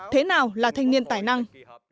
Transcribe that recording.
thế nào là thanh niên tài năng